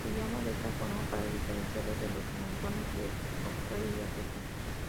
Se llama de esta forma para diferenciarlo de los monzones de Australia y África.